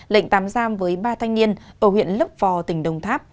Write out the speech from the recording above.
lệnh tạm giam với ba thanh niên ở huyện lấp vò tỉnh đồng tháp